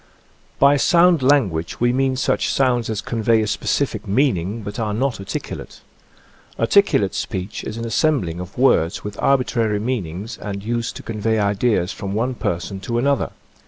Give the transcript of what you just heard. By sound language we mean such sounds as convey a specific meaning, but are not articu late. Articulate speech is an assembling of words with arbitrary meanings and used to convey ideas from one person to another.